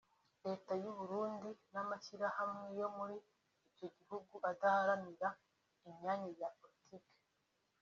leta y’u Burundi n’amashyirahamwe yo muri icyo gihugu adaharanira imyanya ya politike